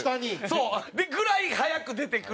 そう。ぐらい早く出てくるし。